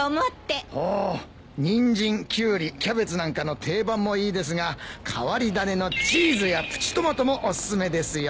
ほニンジンキュウリキャベツなんかの定番もいいですが変わり種のチーズやプチトマトもお薦めですよ。